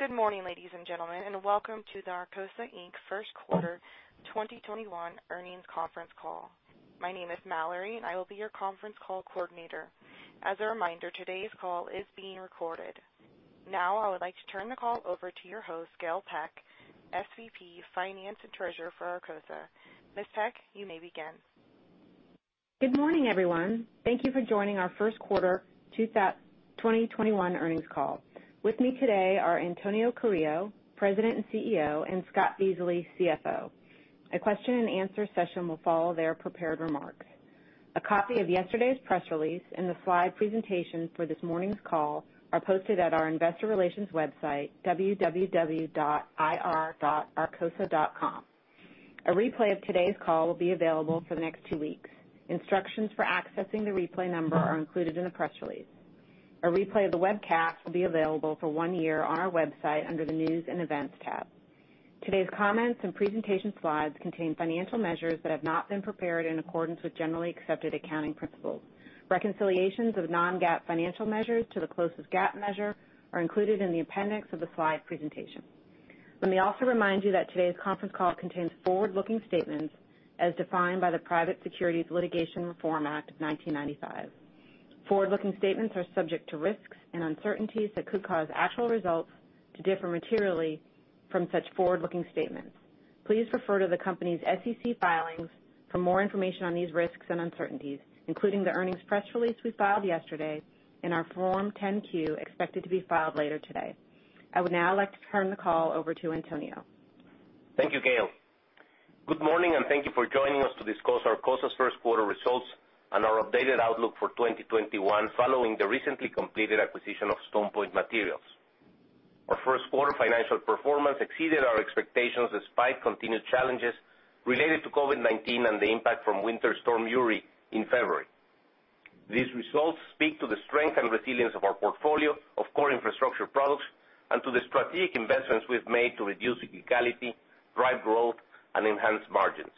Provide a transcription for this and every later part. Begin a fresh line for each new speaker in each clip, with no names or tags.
Good morning, ladies and gentlemen, and welcome to the Arcosa, Inc. first quarter 2021 earnings conference call. My name is Mallory, and I will be your conference call coordinator. As a reminder, today's call is being recorded. Now, I would like to turn the call over to your host, Gail M. Peck, Senior Vice President, Finance and Treasurer for Arcosa. Ms. Peck, you may begin.
Good morning, everyone. Thank you for joining our first quarter 2021 earnings call. With me today are Antonio Carrillo, President and CEO, and Scott Beasley, CFO. A question and answer session will follow their prepared remarks. A copy of yesterday's press release and the slide presentation for this morning's call are posted at our investor relations website, www.ir.arcosa.com. A replay of today's call will be available for the next two weeks. Instructions for accessing the replay number are included in the press release. A replay of the webcast will be available for one year on our website under the News and Events tab. Today's comments and presentation slides contain financial measures that have not been prepared in accordance with Generally Accepted Accounting Principles. Reconciliations of non-GAAP financial measures to the closest GAAP measure are included in the appendix of the slide presentation. Let me also remind you that today's conference call contains forward-looking statements as defined by the Private Securities Litigation Reform Act of 1995. Forward-looking statements are subject to risks and uncertainties that could cause actual results to differ materially from such forward-looking statements. Please refer to the company's SEC filings for more information on these risks and uncertainties, including the earnings press release we filed yesterday and our Form 10-Q, expected to be filed later today. I would now like to turn the call over to Antonio.
Thank you, Gail. Good morning, and thank you for joining us to discuss Arcosa's first quarter results and our updated outlook for 2021, following the recently completed acquisition of StonePoint Materials. Our first quarter financial performance exceeded our expectations, despite continued challenges related to COVID-19 and the impact from Winter Storm Uri in February. These results speak to the strength and resilience of our portfolio of core infrastructure products and to the strategic investments we've made to reduce cyclicality, drive growth, and enhance margins.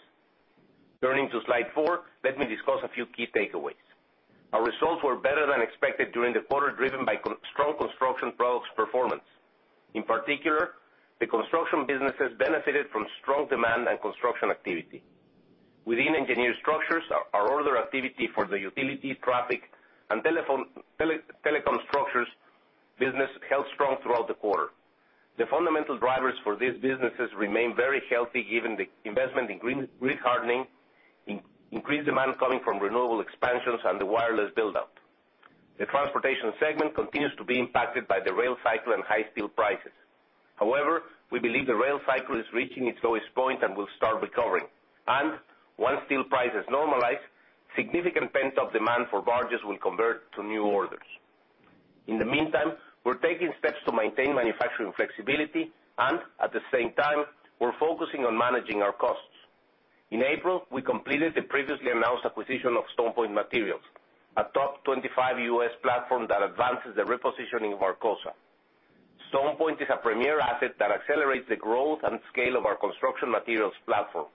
Turning to slide four, let me discuss a few key takeaways. Our results were better than expected during the quarter, driven by strong construction products performance. In particular, the construction businesses benefited from strong demand and construction activity. Within engineered structures, our order activity for the utility, traffic, and telecom structures business held strong throughout the quarter. The fundamental drivers for these businesses remain very healthy given the investment in grid hardening, increased demand coming from renewable expansions, and the wireless build-out. The transportation segment continues to be impacted by the rail cycle and high steel prices. We believe the rail cycle is reaching its lowest point and will start recovering. Once steel prices normalize, significant pent-up demand for barges will convert to new orders. In the meantime, we're taking steps to maintain manufacturing flexibility, and at the same time, we're focusing on managing our costs. In April, we completed the previously announced acquisition of StonePoint Materials, a top 25 U.S. platform that advances the repositioning of Arcosa. StonePoint is a premier asset that accelerates the growth and scale of our construction materials platform,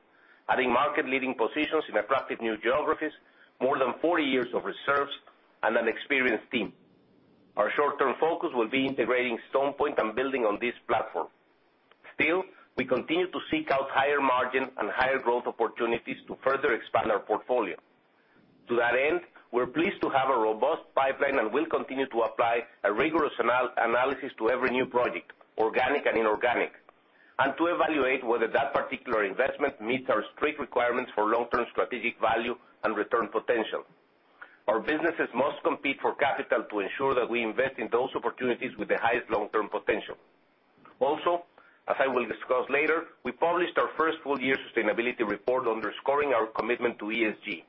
adding market-leading positions in attractive new geographies, more than 40 years of reserves, and an experienced team. Our short-term focus will be integrating StonePoint and building on this platform. Still, we continue to seek out higher margin and higher growth opportunities to further expand our portfolio. To that end, we're pleased to have a robust pipeline and will continue to apply a rigorous analysis to every new project, organic and inorganic, and to evaluate whether that particular investment meets our strict requirements for long-term strategic value and return potential. Our businesses must compete for capital to ensure that we invest in those opportunities with the highest long-term potential. Also, as I will discuss later, we published our first full-year sustainability report underscoring our commitment to ESG.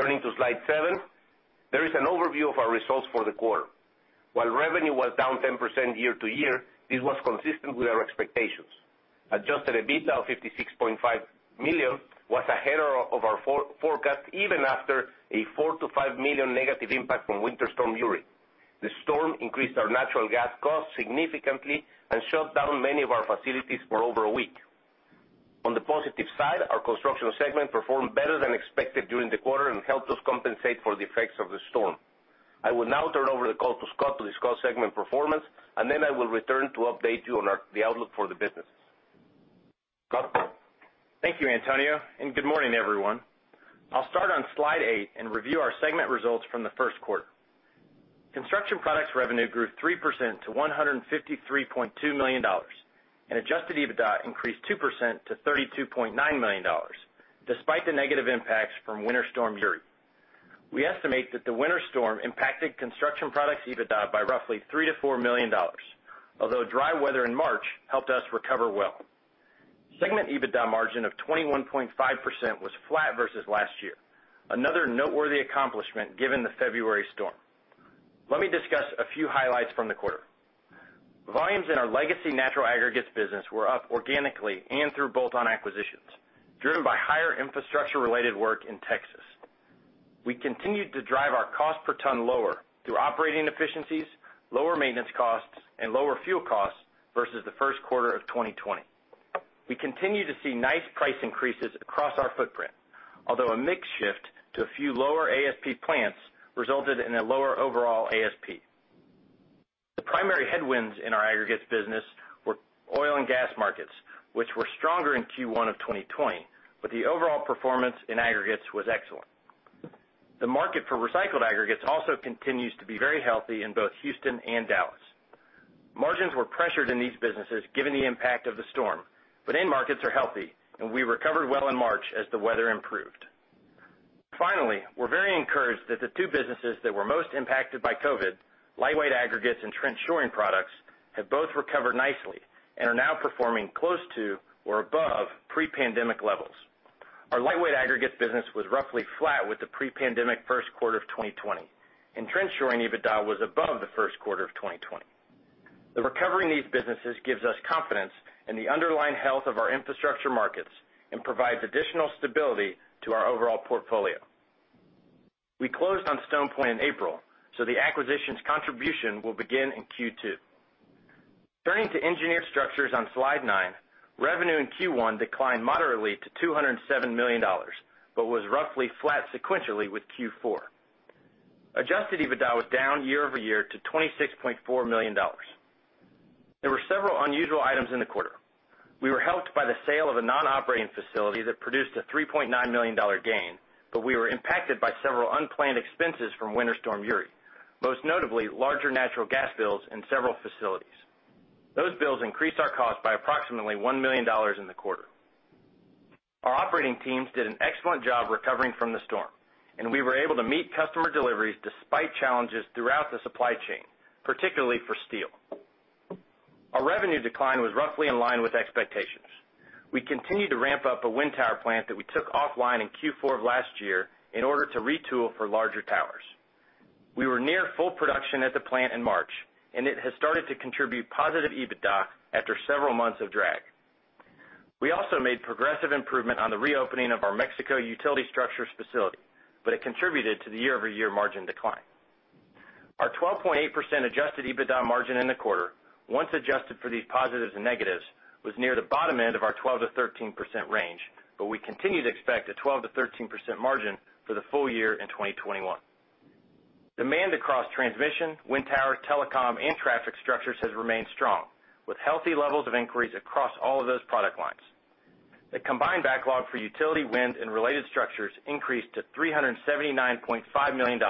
Turning to slide seven, there is an overview of our results for the quarter. While revenue was down 10% year-to-year, this was consistent with our expectations. Adjusted EBITDA of $56.5 million was ahead of our forecast, even after a $4 million-$5 million negative impact from Winter Storm Uri. The storm increased our natural gas costs significantly and shut down many of our facilities for over a week. On the positive side, our construction segment performed better than expected during the quarter and helped us compensate for the effects of the storm. I will now turn over the call to Scott to discuss segment performance, and then I will return to update you on the outlook for the business. Scott?
Thank you, Antonio, and good morning, everyone. I'll start on slide eight and review our segment results from the first quarter. Construction products revenue grew 3% to $153.2 million, and adjusted EBITDA increased 2% to $32.9 million, despite the negative impacts from Winter Storm Uri. We estimate that the winter storm impacted construction products EBITDA by roughly $3 million-$4 million. Dry weather in March helped us recover well. Segment EBITDA margin of 21.5% was flat versus last year, another noteworthy accomplishment given the February storm. Let me discuss a few highlights from the quarter. Volumes in our legacy natural aggregates business were up organically and through bolt-on acquisitions, driven by higher infrastructure-related work in Texas. We continued to drive our cost per ton lower through operating efficiencies, lower maintenance costs, and lower fuel costs versus the first quarter of 2020. We continue to see nice price increases across our footprint. Although a mix shift to a few lower ASP plants resulted in a lower overall ASP. The primary headwinds in our aggregates business were oil and gas markets, which were stronger in Q1 of 2020, but the overall performance in aggregates was excellent. The market for recycled aggregates also continues to be very healthy in both Houston and Dallas. Margins were pressured in these businesses given the impact of the storm, but end markets are healthy, and we recovered well in March as the weather improved. Finally, we're very encouraged that the two businesses that were most impacted by COVID, lightweight aggregates and trench shoring products, have both recovered nicely and are now performing close to or above pre-pandemic levels. Our lightweight aggregates business was roughly flat with the pre-pandemic first quarter of 2020, and trench shoring EBITDA was above the first quarter of 2020. The recovery in these businesses gives us confidence in the underlying health of our infrastructure markets and provides additional stability to our overall portfolio. We closed on StonePoint in April, the acquisition's contribution will begin in Q2. Turning to engineered structures on slide nine, revenue in Q1 declined moderately to $207 million, was roughly flat sequentially with Q4. Adjusted EBITDA was down year-over-year to $26.4 million. There were several unusual items in the quarter. We were helped by the sale of a non-operating facility that produced a $3.9 million gain, but we were impacted by several unplanned expenses from Winter Storm Uri, most notably larger natural gas bills in several facilities. Those bills increased our cost by approximately $1 million in the quarter. Our operating teams did an excellent job recovering from the storm, and we were able to meet customer deliveries despite challenges throughout the supply chain, particularly for steel. Our revenue decline was roughly in line with expectations. We continued to ramp up a wind tower plant that we took offline in Q4 of last year in order to retool for larger towers. We were near full production at the plant in March, and it has started to contribute positive EBITDA after several months of drag. We also made progressive improvement on the reopening of our Mexico utility structures facility, but it contributed to the year-over-year margin decline. Our 12.8% adjusted EBITDA margin in the quarter, once adjusted for these positives and negatives, was near the bottom end of our 12%-13% range, but we continue to expect a 12%-13% margin for the full-year in 2021. Demand across transmission, wind tower, telecom, and traffic structures has remained strong, with healthy levels of inquiries across all of those product lines. The combined backlog for utility, wind, and related structures increased to $379.5 million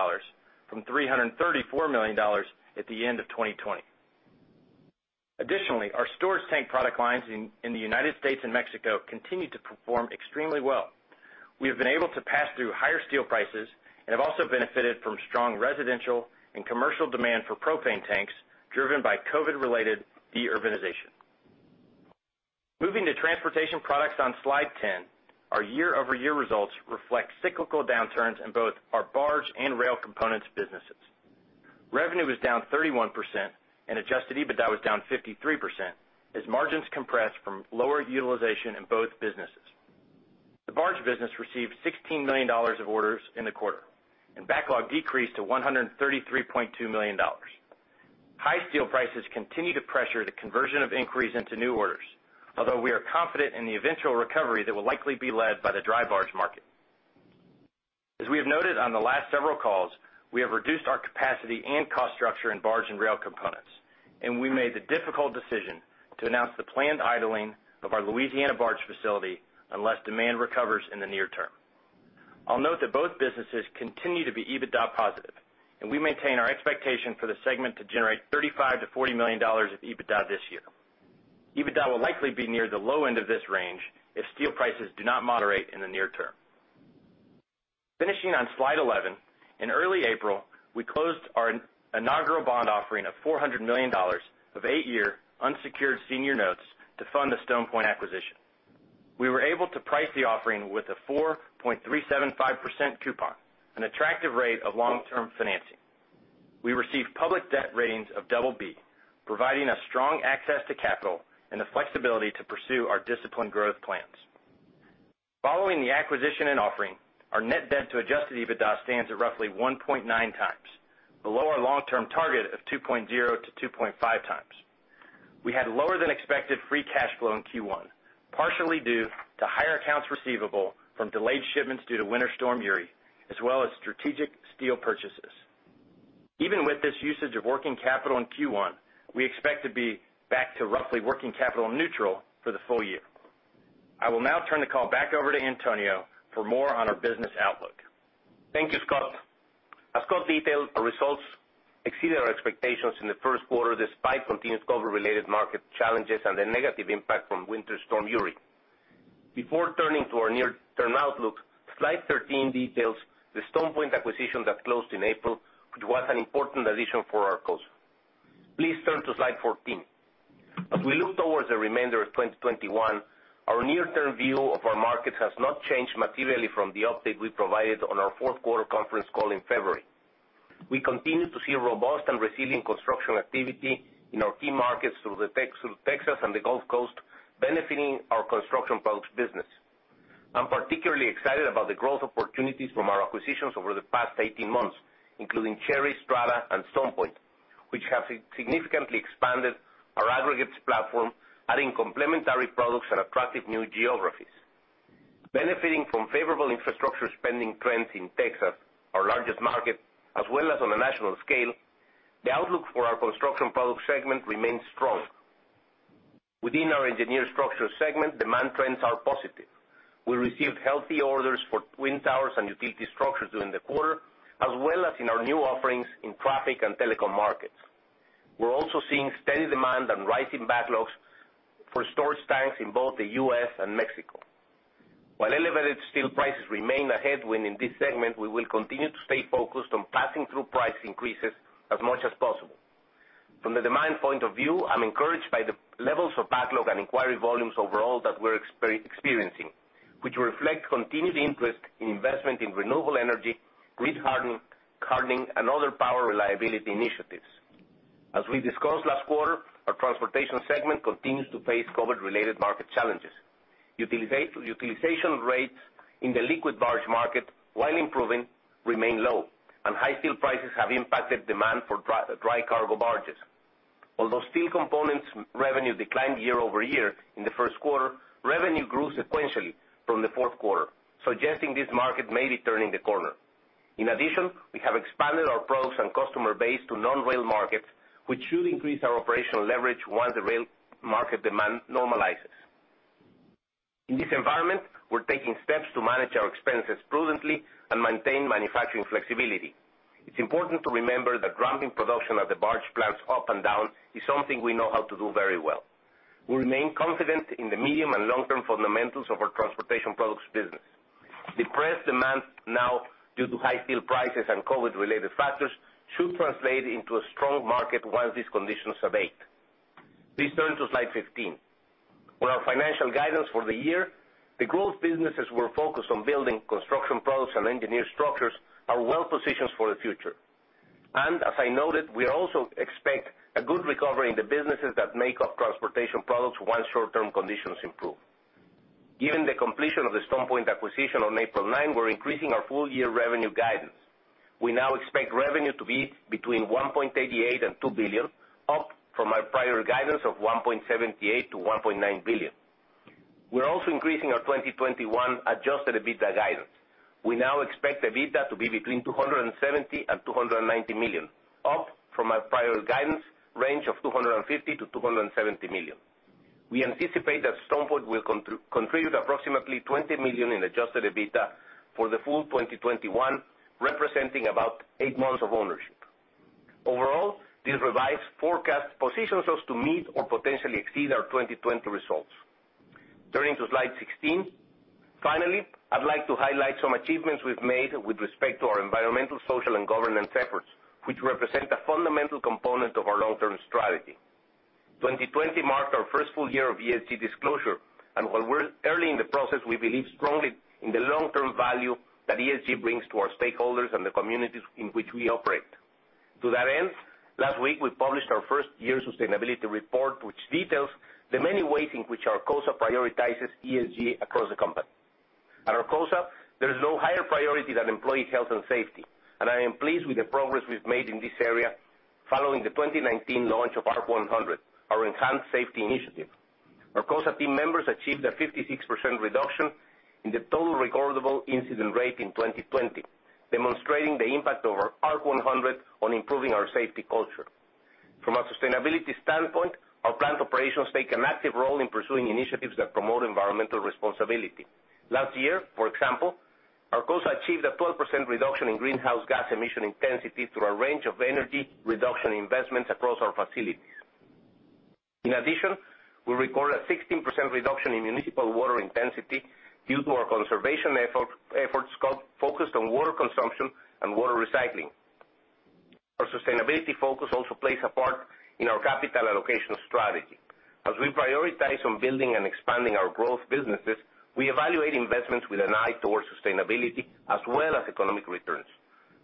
from $334 million at the end of 2020. Additionally, our storage tank product lines in the U.S. and Mexico continue to perform extremely well. We have been able to pass through higher steel prices and have also benefited from strong residential and commercial demand for propane tanks driven by COVID-related de-urbanization. Moving to transportation products on slide 10, our year-over-year results reflect cyclical downturns in both our barge and rail components businesses. Revenue was down 31%, adjusted EBITDA was down 53%, as margins compressed from lower utilization in both businesses. The barge business received $16 million of orders in the quarter, backlog decreased to $133.2 million. High steel prices continue to pressure the conversion of inquiries into new orders, although we are confident in the eventual recovery that will likely be led by the dry barge market. As we have noted on the last several calls, we have reduced our capacity and cost structure in barge and rail components, and we made the difficult decision to announce the planned idling of our Louisiana barge facility unless demand recovers in the near-term. I'll note that both businesses continue to be EBITDA positive, and we maintain our expectation for the segment to generate $35 million-$40 million of EBITDA this year. EBITDA will likely be near the low end of this range if steel prices do not moderate in the near term. Finishing on slide 11, in early April, we closed our inaugural bond offering of $400 million of eight-year unsecured senior notes to fund the StonePoint acquisition. We were able to price the offering with a 4.375% coupon, an attractive rate of long-term financing. We received public debt ratings of BB, providing us strong access to capital and the flexibility to pursue our disciplined growth plans. Following the acquisition and offering, our net debt to adjusted EBITDA stands at roughly 1.9x, below our long-term target of 2.0-2.5x. We had lower than expected free cash flow in Q1, partially due to higher accounts receivable from delayed shipments due to Winter Storm Uri, as well as strategic steel purchases. Even with this usage of working capital in Q1, we expect to be back to roughly working capital neutral for the full-year. I will now turn the call back over to Antonio for more on our business outlook.
Thank you, Scott. As Scott detailed, our results exceeded our expectations in the first quarter, despite continued COVID-related market challenges and the negative impact from Winter Storm Uri. Before turning to our near-term outlook, slide 13 details the StonePoint acquisition that closed in April, which was an important addition for Arcosa. Please turn to slide 14. As we look towards the remainder of 2021, our near-term view of our markets has not changed materially from the update we provided on our fourth-quarter conference call in February. We continue to see robust and resilient construction activity in our key markets through Texas and the Gulf Coast, benefiting our construction products business. I'm particularly excited about the growth opportunities from our acquisitions over the past 18 months, including Cherry, Strata, and StonePoint, which have significantly expanded our aggregates platform, adding complementary products and attractive new geographies. Benefiting from favorable infrastructure spending trends in Texas, our largest market, as well as on a national scale, the outlook for our Construction Products segment remains strong. Within our Engineered Structures segment, demand trends are positive. We received healthy orders for wind towers and utility structures during the quarter, as well as in our new offerings in traffic and telecom markets. We're also seeing steady demand and rising backlogs for storage tanks in both the U.S. and Mexico. While elevated steel prices remain a headwind in this segment, we will continue to stay focused on passing through price increases as much as possible. From the demand point of view, I'm encouraged by the levels of backlog and inquiry volumes overall that we're experiencing, which reflect continued interest in investment in renewable energy, grid hardening, and other power reliability initiatives. As we discussed last quarter, our transportation segment continues to face COVID-related market challenges. Utilization rates in the liquid barge market, while improving, remain low, and high steel prices have impacted demand for dry cargo barges. Although steel components revenue declined year-over-year in the first quarter, revenue grew sequentially from the fourth quarter, suggesting this market may be turning the corner. In addition, we have expanded our products and customer base to non-rail markets, which should increase our operational leverage once the rail market demand normalizes. In this environment, we're taking steps to manage our expenses prudently and maintain manufacturing flexibility. It's important to remember that ramping production at the barge plants up and down is something we know how to do very well. We remain confident in the medium and long-term fundamentals of our transportation products business. Depressed demand now due to high steel prices and COVID-related factors should translate into a strong market once these conditions abate. Please turn to slide 15. For our financial guidance for the year, the growth businesses we're focused on building, Construction Products and Engineered Structures, are well-positioned for the future. As I noted, we also expect a good recovery in the businesses that make up Transportation Products once short-term conditions improve. Given the completion of the StonePoint acquisition on April 9, we're increasing our full-year revenue guidance. We now expect revenue to be between $1.88 billion and $2 billion, up from our prior guidance of $1.78 billion-$1.9 billion. We're also increasing our 2021 adjusted EBITDA guidance. We now expect EBITDA to be between $270 million and $290 million, up from our prior guidance range of $250 million-$270 million. We anticipate that StonePoint will contribute approximately $20 million in adjusted EBITDA for the full 2021, representing about eight months of ownership. Overall, this revised forecast positions us to meet or potentially exceed our 2020 results. Turning to slide 16. Finally, I'd like to highlight some achievements we've made with respect to our environmental, social, and governance efforts, which represent a fundamental component of our long-term strategy. 2020 marked our first full-year of ESG disclosure, and while we're early in the process, we believe strongly in the long-term value that ESG brings to our stakeholders and the communities in which we operate. To that end, last week we published our first year sustainability report, which details the many ways in which Arcosa prioritizes ESG across the company. At Arcosa, there is no higher priority than employee health and safety, and I am pleased with the progress we've made in this area following the 2019 launch of ARC 100, our enhanced safety initiative. Arcosa team members achieved a 56% reduction in the total recordable incident rate in 2020, demonstrating the impact of our ARC 100 on improving our safety culture. From a sustainability standpoint, our plant operations take an active role in pursuing initiatives that promote environmental responsibility. Last year, for example, Arcosa achieved a 12% reduction in greenhouse gas emission intensity through a range of energy reduction investments across our facilities. In addition, we recorded a 16% reduction in municipal water intensity due to our conservation efforts focused on water consumption and water recycling. Our sustainability focus also plays a part in our capital allocation strategy. As we prioritize on building and expanding our growth businesses, we evaluate investments with an eye towards sustainability as well as economic returns.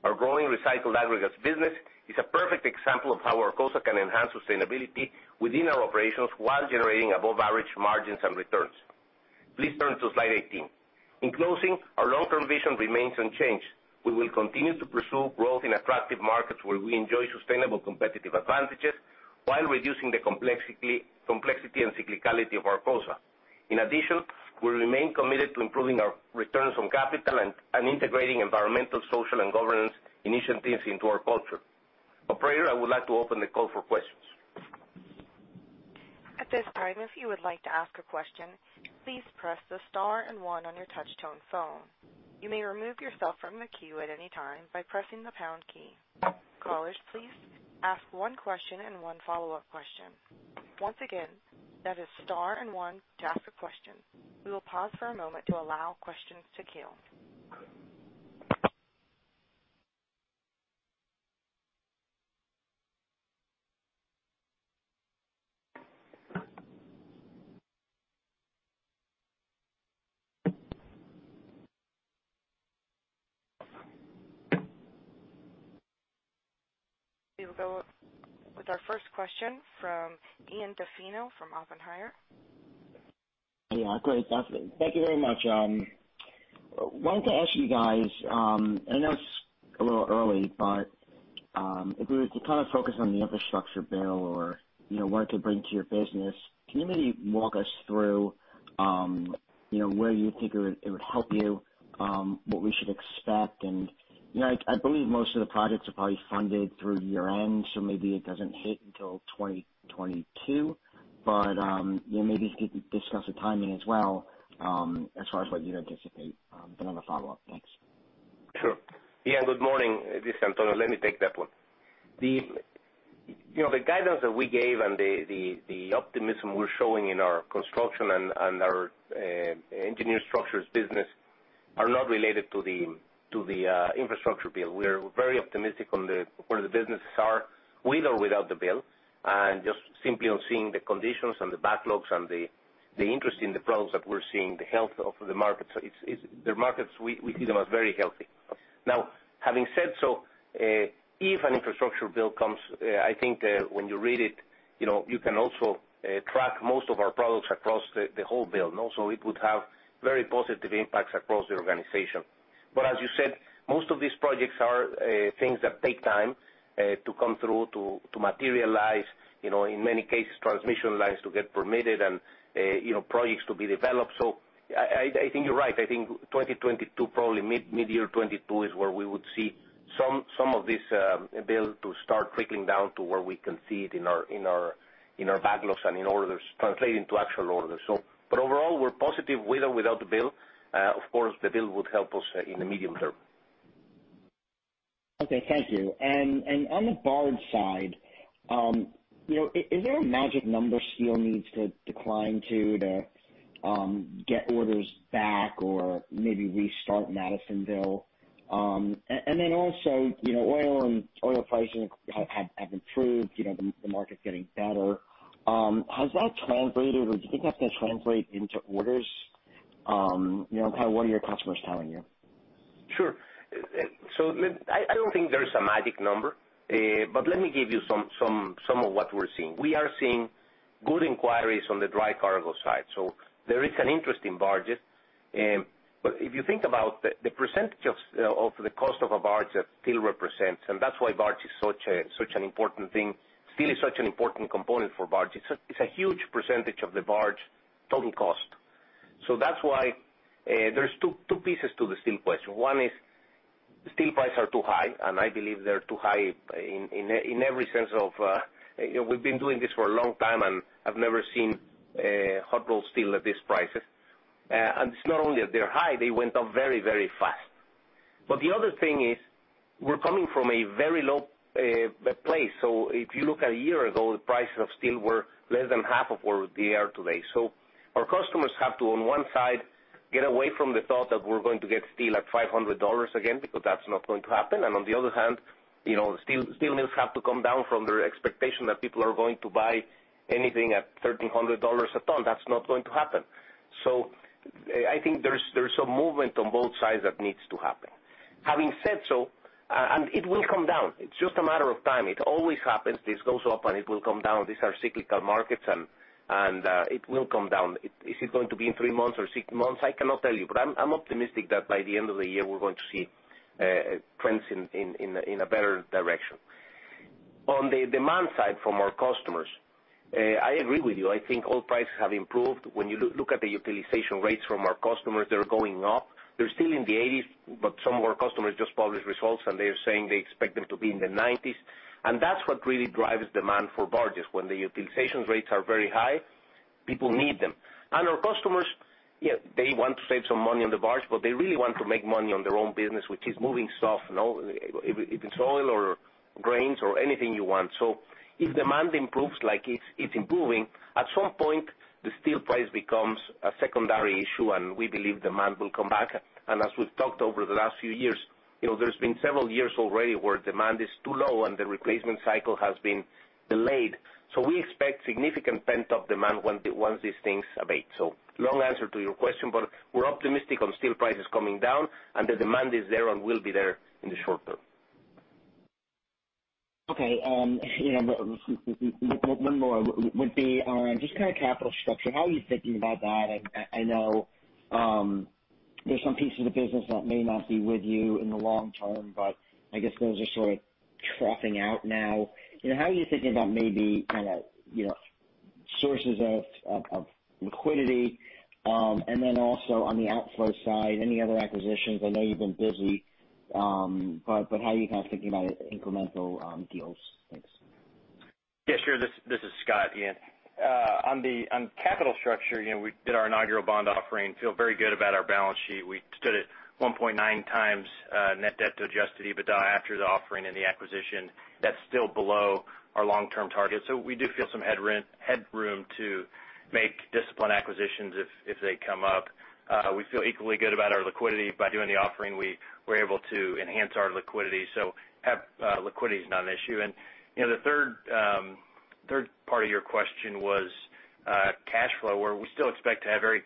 Our growing recycled aggregates business is a perfect example of how Arcosa can enhance sustainability within our operations while generating above-average margins and returns. Please turn to slide 18. In closing, our long-term vision remains unchanged. We will continue to pursue growth in attractive markets where we enjoy sustainable competitive advantages while reducing the complexity and cyclicality of Arcosa. In addition, we remain committed to improving our returns on capital and integrating environmental, social, and governance initiatives into our culture. Operator, I would like to open the call for questions.
At this time, if you would like to ask a question, please press the star and one on your touch-tone phone. You may remove yourself from the queue at any time by pressing the pound key. Callers, please ask one question and one follow-up question. Once again, that is star and one to ask a question. We will pause for a moment to allow questions to queue. We will go with our first question from Ian Zaffino from Oppenheimer.
Yeah. Great. Thank you very much. Wanted to ask you guys, I know it's a little early, but if we were to focus on the infrastructure bill or what it could bring to your business, can you maybe walk us through where you think it would help you? What we should expect? I believe most of the projects are probably funded through year-end, so maybe it doesn't hit until 2022. Maybe if you could discuss the timing as well, as far as what you anticipate. On the follow-up. Thanks.
Sure. Ian, good morning. This is Antonio. Let me take that one. The guidance that we gave and the optimism we're showing in our construction and our engineered structures business are not related to the infrastructure bill. We're very optimistic on where the businesses are, with or without the bill, and just simply on seeing the conditions and the backlogs and the interest in the products that we're seeing, the health of the markets. The markets, we see them as very healthy. Having said so, if an infrastructure bill comes, I think that when you read it, you can also track most of our products across the whole bill. It would have very positive impacts across the organization. As you said, most of these projects are things that take time to come through to materialize. In many cases, transmission lines to get permitted and projects to be developed. I think you're right. I think 2022, probably mid-year 2022 is where we would see some of this bill to start trickling down to where we can see it in our backlogs and in orders translating to actual orders. Overall, we're positive with or without the bill. Of course, the bill would help us in the medium-term.
Okay. Thank you. On the barge side, is there a magic number steel needs to decline to get orders back or maybe restart Madisonville? Also, oil and oil pricing have improved, the market getting better. Has that translated, or do you think that's going to translate into orders? Kind of what are your customers telling you?
Sure. I don't think there's a magic number. Let me give you some of what we're seeing. We are seeing good inquiries on the dry cargo side. There is an interest in barges. If you think about the percentage of the cost of a barge that steel represents, and that's why barge is such an important thing. Steel is such an important component for barge. It's a huge percentage of the barge total cost. That's why there's two pieces to the steel question. One is steel prices are too high, and I believe they're too high. We've been doing this for a long time, and I've never seen hot rolled steel at these prices. It's not only that they're high, they went up very fast. The other thing is, we're coming from a very low place. If you look at a year ago, the prices of steel were less than half of where they are today. Our customers have to, on one side, get away from the thought that we're going to get steel at $500 again, because that's not going to happen. On the other hand, steel mills have to come down from their expectation that people are going to buy anything at $1,300 a ton. That's not going to happen. I think there's some movement on both sides that needs to happen. Having said so, and it will come down, it's just a matter of time. It always happens. This goes up, and it will come down. These are cyclical markets, and it will come down. Is it going to be in three months or six months? I cannot tell you, but I'm optimistic that by the end of the year, we're going to see trends in a better direction. On the demand side from our customers, I agree with you. I think oil prices have improved. When you look at the utilization rates from our customers, they're going up. They're still in the 80s, but some of our customers just published results, and they're saying they expect them to be in the 90s. That's what really drives demand for barges. When the utilization rates are very high, people need them. Our customers, they want to save some money on the barge, but they really want to make money on their own business, which is moving stuff. If it's oil or grains or anything you want. If demand improves like it's improving, at some point, the steel price becomes a secondary issue, and we believe demand will come back. As we've talked over the last few years, there's been several years already where demand is too low and the replacement cycle has been delayed. We expect significant pent-up demand once these things abate. Long answer to your question, but we're optimistic on steel prices coming down, and the demand is there and will be there in the short-term.
Okay. One more would be on just kind of capital structure. How are you thinking about that? I know there's some pieces of business that may not be with you in the long-term, but I guess those are sort of troughing out now. How are you thinking about maybe sources of liquidity? Also on the outflow side, any other acquisitions? I know you've been busy. How are you kind of thinking about incremental deals? Thanks.
Yeah, sure. This is Scott, Ian. On capital structure, we did our inaugural bond offering, feel very good about our balance sheet. We stood at 1.9x net debt to adjusted EBITDA after the offering and the acquisition. That's still below our long-term target. We do feel some headroom to make disciplined acquisitions if they come up. We feel equally good about our liquidity. By doing the offering, we were able to enhance our liquidity. Liquidity is not an issue. The third part of your question was cash flow, where we still expect to have very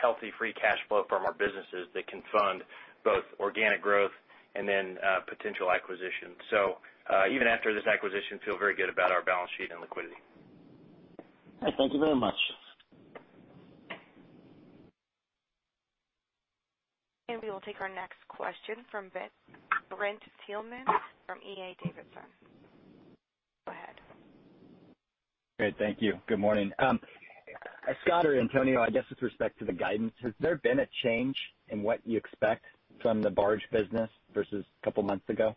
healthy free cash flow from our businesses that can fund both organic growth and then potential acquisitions. Even after this acquisition, feel very good about our balance sheet and liquidity.
Thank you very much.
We will take our next question from Brent Thielman from D.A. Davidson. Go ahead.
Great, thank you. Good morning. Scott or Antonio, I guess with respect to the guidance, has there been a change in what you expect from the barge business versus a couple of months ago?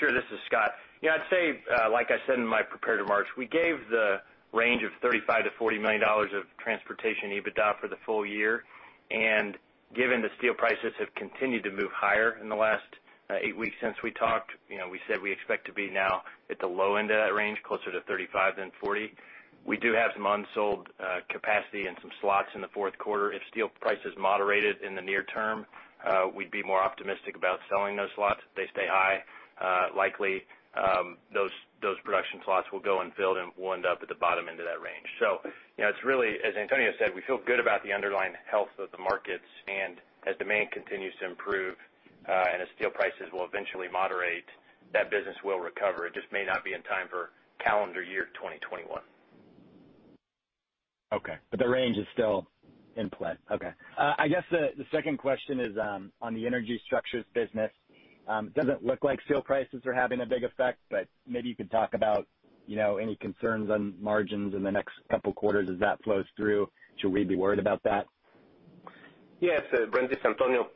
Sure. This is Scott. I'd say, like I said in my prepared remarks, we gave the range of $35 million-$40 million of transportation EBITDA for the full-year. Given the steel prices have continued to move higher in the last eight weeks since we talked, we said we expect to be now at the low end of that range, closer to 35 than 40. We do have some unsold capacity and some slots in the fourth quarter. If steel prices moderated in the near term, we'd be more optimistic about selling those slots. If they stay high, likely those production slots will go unfilled, and we'll end up at the bottom end of that range. It's really, as Antonio said, we feel good about the underlying health of the markets, and as demand continues to improve, and as steel prices will eventually moderate, that business will recover. It just may not be in time for calendar year 2021.
Okay. The range is still in play? Okay. I guess the second question is on the energy structures business. It doesn't look like steel prices are having a big effect, maybe you could talk about any concerns on margins in the next couple of quarters as that flows through. Should we be worried about that?
Yes, Brent, it's Antonio.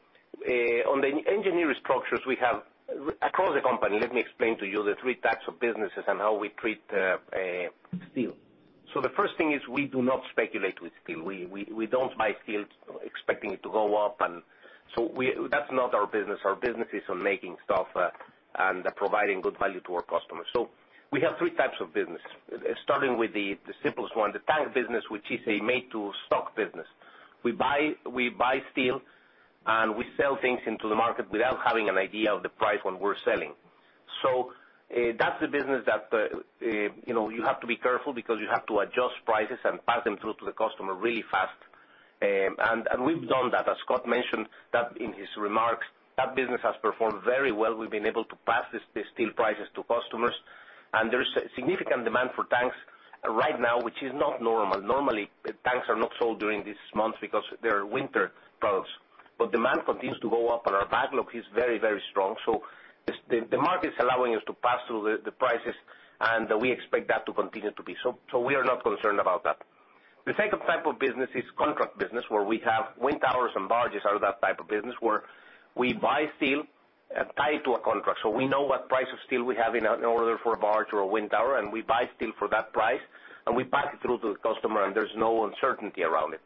On the engineering structures we have across the company, let me explain to you the three types of businesses and how we treat steel. The first thing is we do not speculate with steel. We don't buy steel expecting it to go up, that's not our business. Our business is on making stuff and providing good value to our customers. We have three types of business, starting with the simplest one, the tank business, which is a made-to-stock business. We buy steel, and we sell things into the market without having an idea of the price when we're selling. That's the business that you have to be careful because you have to adjust prices and pass them through to the customer really fast. We've done that. As Scott mentioned that in his remarks, that business has performed very well. We've been able to pass the steel prices to customers, and there's significant demand for tanks right now, which is not normal. Normally, tanks are not sold during these months because they're winter products. Demand continues to go up, and our backlog is very strong. The market's allowing us to pass through the prices, and we expect that to continue to be. We are not concerned about that. The second type of business is contract business, where we have wind towers and barges are that type of business, where we buy steel tied to a contract. We know what price of steel we have in an order for a barge or a wind tower, and we buy steel for that price, and we pass it through to the customer, and there's no uncertainty around it.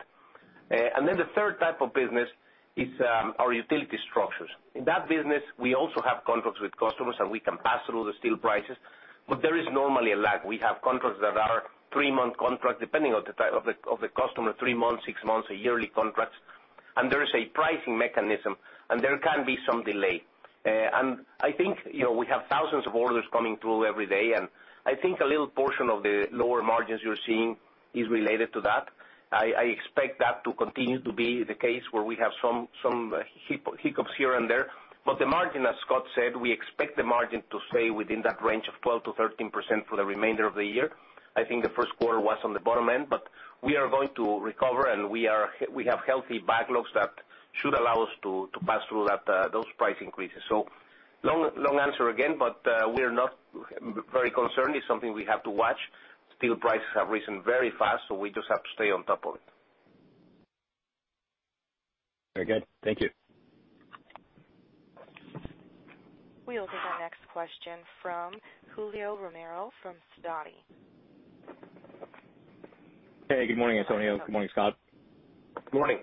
The third type of business is our utility structures. In that business, we also have contracts with customers, and we can pass through the steel prices. There is normally a lag. We have contracts that are three-month contracts, depending on the customer, three months, six months, or yearly contracts. There is a pricing mechanism, and there can be some delay. I think we have thousands of orders coming through every day, and I think a little portion of the lower margins you're seeing is related to that. I expect that to continue to be the case where we have some hiccups here and there. The margin, as Scott said, we expect the margin to stay within that range of 12%-13% for the remainder of the year. I think the first quarter was on the bottom end, but we are going to recover, and we have healthy backlogs that should allow us to pass through those price increases. Long answer again, but we're not very concerned. It's something we have to watch. Steel prices have risen very fast, so we just have to stay on top of it.
Very good. Thank you.
We will take our next question from Julio Romero from Sidoti.
Hey, good morning, Antonio. Good morning, Scott.
Good morning.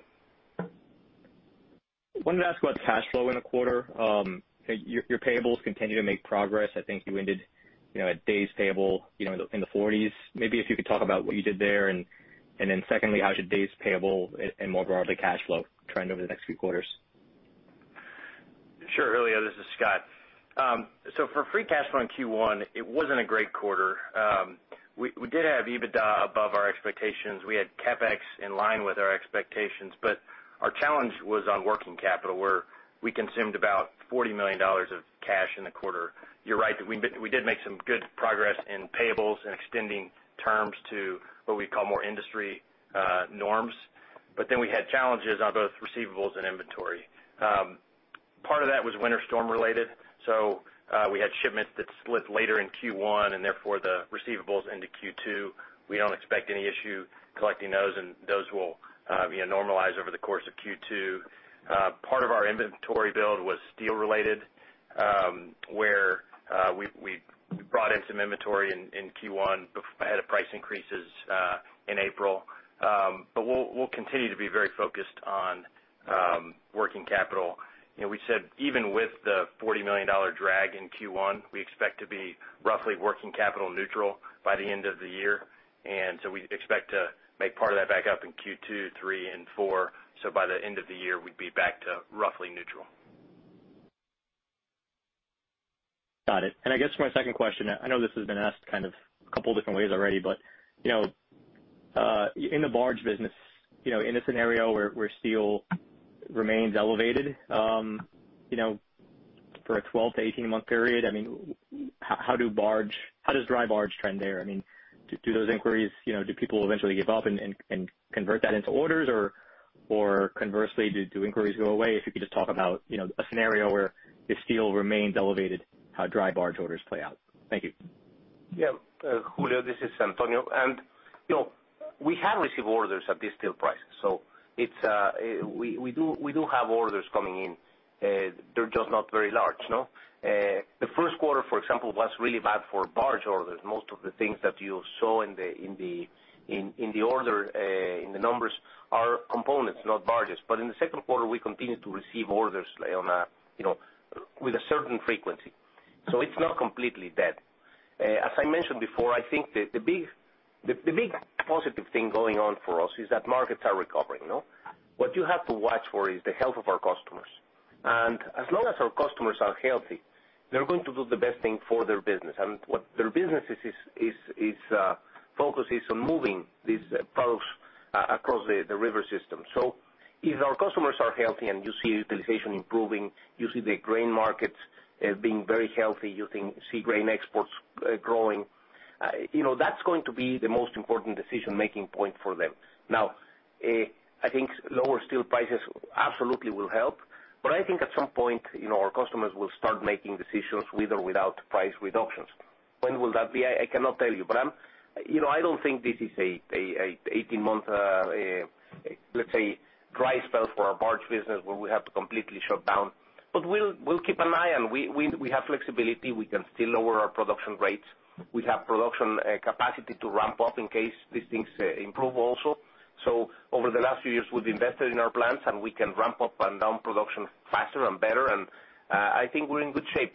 wanted to ask about cash flow in the quarter. Your payables continue to make progress. I think you ended at days payable in the 40s. Maybe if you could talk about what you did there, and then secondly, how is your days payable and more broadly, cash flow trend over the next few quarters?
Sure, Julio, this is Scott. For free cash flow in Q1, it wasn't a great quarter. We did have EBITDA above our expectations. We had CapEx in line with our expectations, but our challenge was on working capital, where we consumed about $40 million of cash in the quarter. You're right that we did make some good progress in payables and extending terms to what we call more industry norms. We had challenges on both receivables and inventory. Part of that was winter storm related, so we had shipments that split later in Q1 and therefore the receivables into Q2. We don't expect any issue collecting those, and those will normalize over the course of Q2. Part of our inventory build was steel related, where we brought in some inventory in Q1 ahead of price increases in April. We'll continue to be very focused on working capital. We said even with the $40 million drag in Q1, we expect to be roughly working capital neutral by the end of the year. We expect to make part of that back up in Q2, three, and four. By the end of the year, we'd be back to roughly neutral.
Got it. I guess for my second question, I know this has been asked kind of a couple different ways already, but in the barge business, in a scenario where steel remains elevated, for a 12 to 18-month period, how does dry barge trend there? Do people eventually give up and convert that into orders? Or conversely, do inquiries go away? If you could just talk about a scenario where the steel remains elevated, how dry barge orders play out. Thank you.
Yeah. Julio, this is Antonio. We have received orders at these steel prices, we do have orders coming in. They're just not very large. The first quarter, for example, was really bad for barge orders. Most of the things that you saw in the numbers are components, not barges. In the second quarter, we continued to receive orders with a certain frequency. It's not completely dead. As I mentioned before, I think the big positive thing going on for us is that markets are recovering. What you have to watch for is the health of our customers. As long as our customers are healthy, they're going to do the best thing for their business. What their business' focus is on moving these products across the river system. If our customers are healthy and you see utilization improving, you see the grain markets being very healthy, you see grain exports growing, that's going to be the most important decision-making point for them. I think lower steel prices absolutely will help. I think at some point, our customers will start making decisions with or without price reductions. When will that be? I cannot tell you. I don't think this is an 18-month, let's say, dry spell for our barge business where we have to completely shut down. We'll keep an eye, and we have flexibility. We can still lower our production rates. We have production capacity to ramp up in case these things improve also. Over the last few years, we've invested in our plants, and we can ramp up and down production faster and better. I think we're in good shape.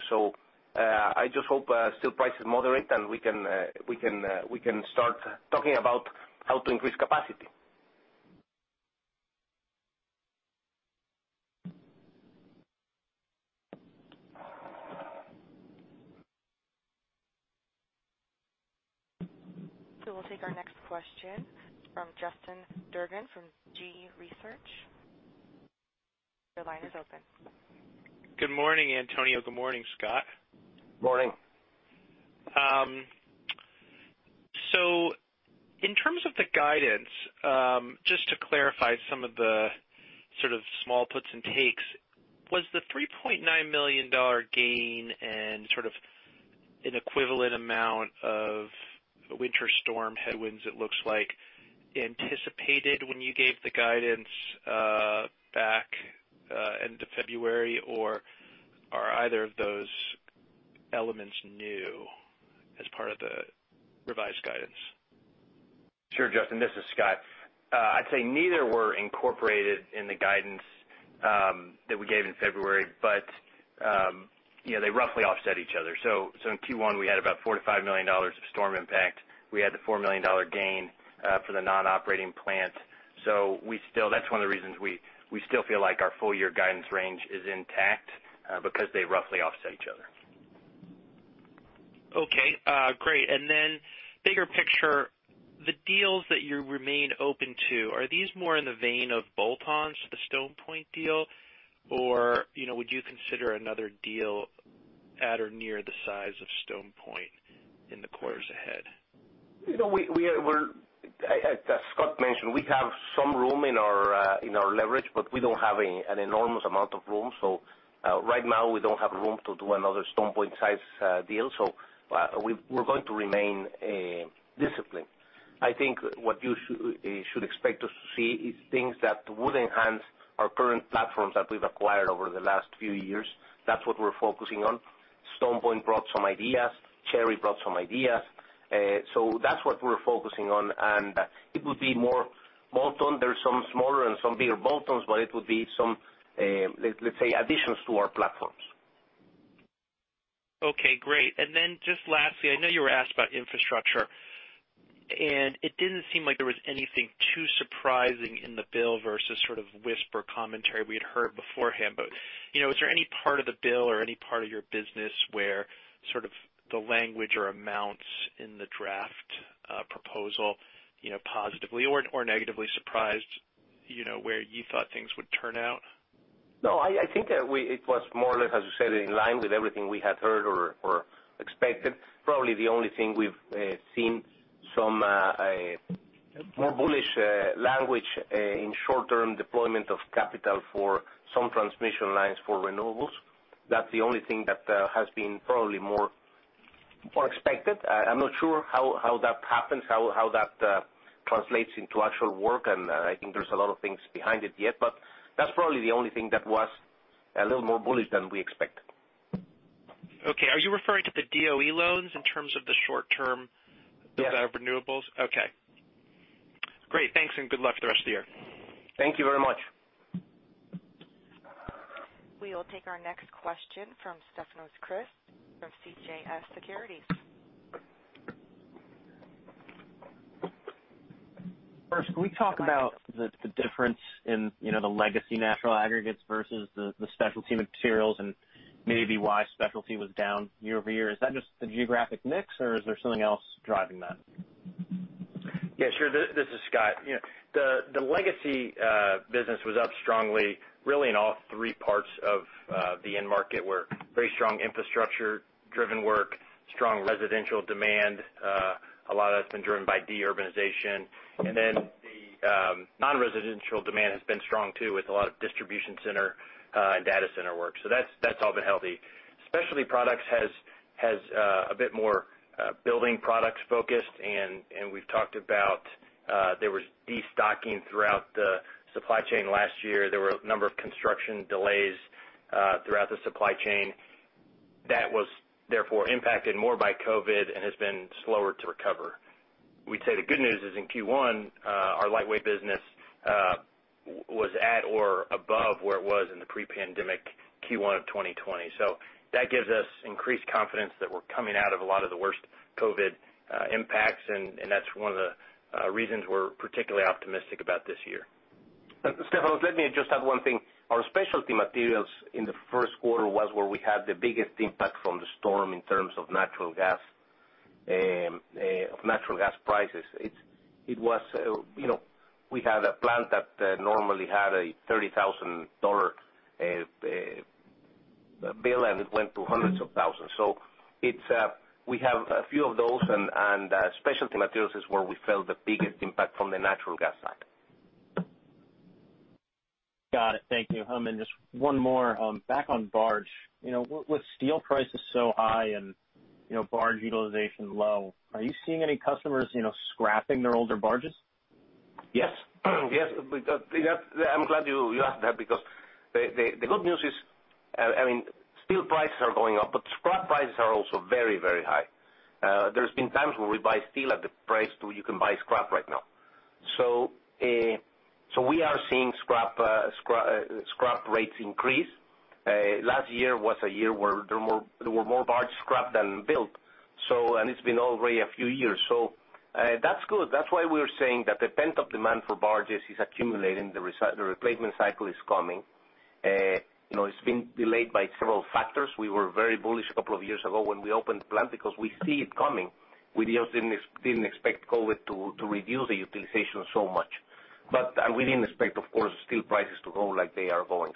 I just hope steel prices moderate, and we can start talking about how to increase capacity.
We'll take our next question from Justin [Darvin] from GE Research. Your line is open.
Good morning, Antonio. Good morning, Scott.
Morning.
In terms of the guidance, just to clarify some of the sort of small puts and takes, was the $3.9 million gain and sort of an equivalent amount of winter storm headwinds, it looks like, anticipated when you gave the guidance back end of February, or are either of those elements new as part of the revised guidance?
Sure, Justin, this is Scott. I'd say neither were incorporated in the guidance that we gave in February. They roughly offset each other. In Q1, we had about $4 million-$5 million of storm impact. We had the $4 million gain for the non-operating plant. That's one of the reasons we still feel like our full-year guidance range is intact because they roughly offset each other.
Okay. Great. Bigger picture, the deals that you remain open to, are these more in the vein of bolt-ons to the StonePoint deal, or would you consider another deal at or near the size of StonePoint in the quarters ahead?
As Scott mentioned, we have some room in our leverage, but we don't have an enormous amount of room. Right now, we don't have room to do another StonePoint-size deal. We're going to remain disciplined. I think what you should expect us to see is things that would enhance our current platforms that we've acquired over the last few years. That's what we're focusing on. StonePoint brought some ideas. Cherry brought some ideas. That's what we're focusing on, and it would be more bolt-on. There's some smaller and some bigger bolt-ons, but it would be some, let's say, additions to our platforms.
Okay, great. Just lastly, I know you were asked about infrastructure, and it didn't seem like there was anything too surprising in the bill versus sort of whisper commentary we had heard beforehand. Is there any part of the bill or any part of your business where sort of the language or amounts in the draft proposal positively or negatively surprised where you thought things would turn out?
No, I think it was more or less, as you said, in line with everything we had heard or expected. Probably the only thing we've seen some more bullish language in short-term deployment of capital for some transmission lines for renewables. That's the only thing that has been probably more expected. I'm not sure how that happens, how that translates into actual work, and I think there's a lot of things behind it yet. That's probably the only thing that was a little more bullish than we expected.
Okay. Are you referring to the DOE loans?
Yes
of renewables? Okay. Great. Thanks. Good luck the rest of the year.
Thank you very much.
We will take our next question from Stefanos Crist from CJS Securities.
Can we talk about the difference in the legacy natural aggregates versus the specialty materials, and maybe why specialty was down year-over-year? Is that just the geographic mix or is there something else driving that?
Yeah, sure. This is Scott. The legacy business was up strongly really in all three parts of the end market where very strong infrastructure-driven work, strong residential demand, a lot of that's been driven by de-urbanization. Then the non-residential demand has been strong too, with a lot of distribution center and data center work. That's all been healthy. Specialty products has a bit more building products focused, We've talked about there was de-stocking throughout the supply chain last year. There were a number of construction delays throughout the supply chain. That was therefore impacted more by COVID and has been slower to recover. We'd say the good news is in Q1, our lightweight business was at or above where it was in the pre-pandemic Q1 of 2020. That gives us increased confidence that we're coming out of a lot of the worst COVID impacts, and that's one of the reasons we're particularly optimistic about this year.
Stefanos, let me just add one thing. Our specialty materials in the first quarter was where we had the biggest impact from the storm in terms of natural gas prices. We had a plant that normally had a $30,000 bill, and it went to hundreds of thousands. We have a few of those, and specialty materials is where we felt the biggest impact from the natural gas side.
Got it. Thank you. Just one more. Back on barge. With steel prices so high and barge utilization low, are you seeing any customers scrapping their older barges?
Yes. I'm glad you asked that because the good news is, steel prices are going up, but scrap prices are also very high. There's been times where we buy steel at the price to you can buy scrap right now. We are seeing scrap rates increase. Last year was a year where there were more barge scrap than built, and it's been already a few years. That's good. That's why we are saying that the pent-up demand for barges is accumulating. The replacement cycle is coming. It's been delayed by several factors. We were very bullish a couple of years ago when we opened the plant because we see it coming. We just didn't expect COVID-19 to reduce the utilization so much. We didn't expect, of course, steel prices to go like they are going.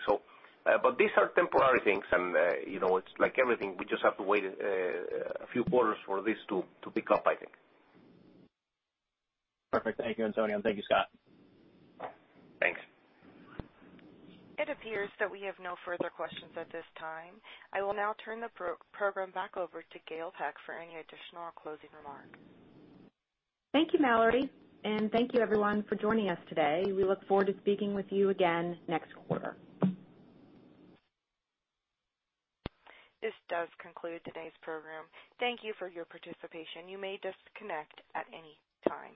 These are temporary things, and it's like everything. We just have to wait a few quarters for this to pick up, I think.
Perfect. Thank you, Antonio. Thank you, Scott.
Thanks.
It appears that we have no further questions at this time. I will now turn the program back over to Gail Peck for any additional closing remarks.
Thank you, Mallory. Thank you everyone for joining us today. We look forward to speaking with you again next quarter.
This does conclude today's program. Thank you for your participation. You may disconnect at any time.